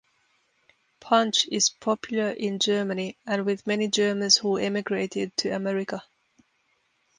Punch is popular in Germany and with many Germans who emigrated to America.